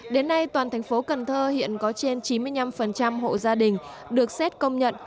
đến nay toàn thành phố cần thơ hiện có trên chín mươi năm hộ gia đình được xét công nhận